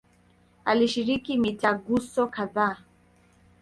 Alishiriki mitaguso kadhaa.